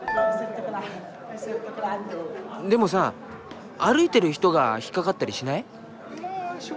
でもさ歩いてる人が引っかかったりしない？